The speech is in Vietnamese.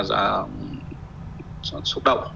rất là xúc động